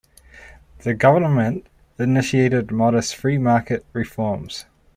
The government initiated modest free market reforms.